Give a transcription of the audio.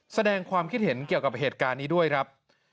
แสดงความคิดเห็นเกี่ยวกับเหตุการณ์นี้ด้วยครับ